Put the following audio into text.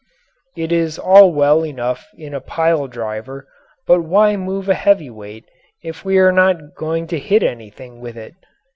It is all well enough in a pile driver, but why move a heavy weight if we are not going to hit anything with it?